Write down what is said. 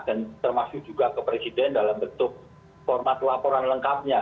dan termasuk juga ke presiden dalam bentuk format laporan lengkapnya